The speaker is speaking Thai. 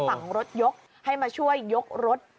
ฝั่งรถยกให้มาช่วยยกรถ